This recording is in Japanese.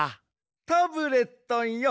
タブレットンよ。